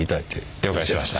了解しました。